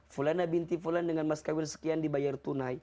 fulana binti fullan dengan mas kawin sekian dibayar tunai